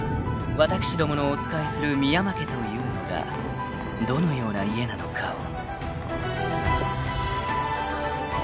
［私どものお仕えする深山家というのがどのような家なのかを］